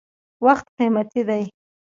• وخت قیمتي دی.